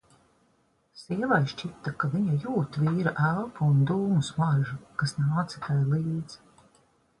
Sievai šķita, ka viņa jūt vīra elpu un dūmu smaržu, kas nāca tai līdz.